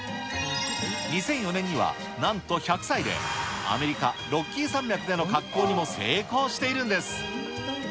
２００４年には、なんと１００歳で、アメリカ・ロッキー山脈での滑降にも成功しているんです。